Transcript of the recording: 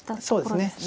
そうですね。